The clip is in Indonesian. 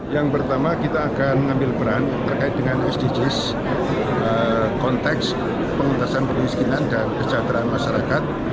yang pertama kita akan mengambil peran terkait dengan sdgs konteks pengentasan kemiskinan dan kesejahteraan masyarakat